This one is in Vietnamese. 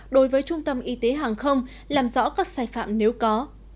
đối với trung tâm y tế hàng không làm rõ các sai phạm nếu có